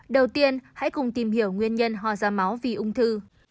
đầu tiên hãy cùng tìm hiểu nguyên nhân hoa da máu vì ung thư